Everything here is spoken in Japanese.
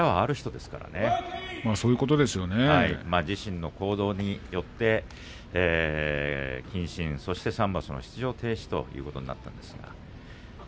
自身の行動によって謹慎３場所の出場停止ということになったわけですが。